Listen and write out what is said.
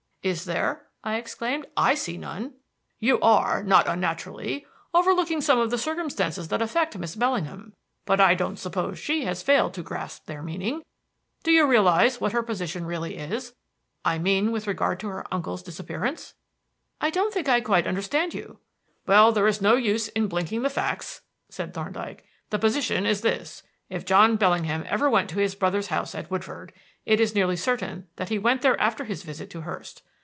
"Is there?" I exclaimed. "I see none." "You are, not unnaturally, overlooking some of the circumstances that affect Miss Bellingham; but I don't suppose she has failed to grasp their meaning. Do you realize what her position really is? I mean with regard to her uncle's disappearance?" "I don't think I quite understand you." "Well, there is no use in blinking the facts," said Thorndyke. "The position is this: if John Bellingham ever went to his brother's house at Woodford, it is nearly certain that he went there after his visit to Hurst.